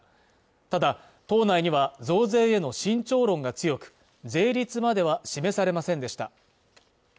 ただ党内には増税への慎重論が強く税率までは示されませんでした